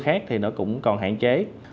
khác thì nó cũng còn hạn chế